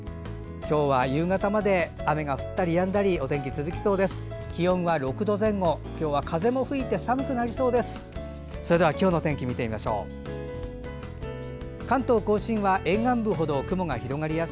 今日は夕方まで雨が降ったりやんだりお天気が続きそうです。